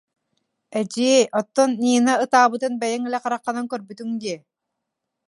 Эдьиэй, оттон Нина ытаабытын бэйэҥ илэ хараххынан көрбүтүҥ дии